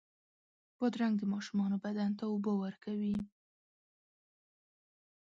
بادرنګ د ماشومانو بدن ته اوبه ورکوي.